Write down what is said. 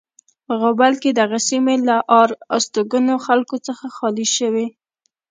غوبل کې دغه سیمې له آر استوګنو خلکو څخه خالی شوې.